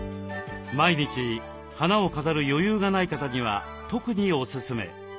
毎日花を飾る余裕がない方には特におすすめ。